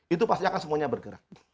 itu pasti akan semuanya bergerak